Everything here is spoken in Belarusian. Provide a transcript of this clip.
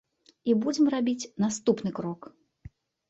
І будзем рабіць наступны крок.